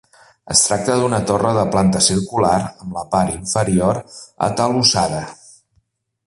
Es tracta d'una torre de planta circular, amb la part inferior atalussada.